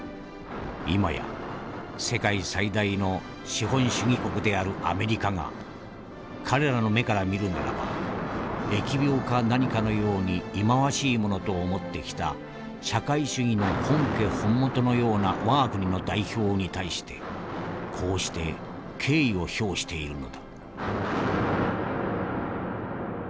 今や世界最大の資本主義国であるアメリカが彼らの目から見るならば疫病か何かのように忌まわしいものと思ってきた社会主義の本家本元のような我が国の代表に対してこうして敬意を表しているのだ」。